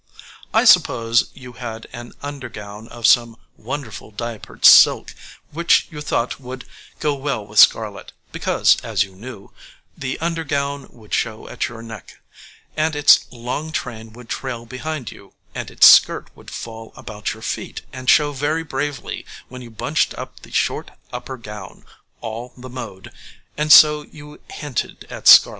I suppose you had an under gown of some wonderful diapered silk which you thought would go well with scarlet, because, as you knew, the under gown would show at your neck, and its long train would trail behind you, and its skirt would fall about your feet and show very bravely when you bunched up the short upper gown all the mode and so you hinted at scarlet.